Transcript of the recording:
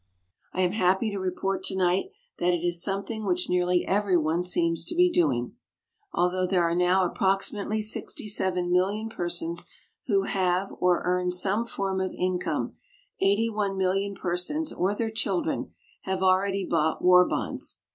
I am happy to report tonight that it is something which nearly everyone seems to be doing. Although there are now approximately sixty seven million persons who have or earn some form of income, eighty one million persons or their children have already bought war bonds.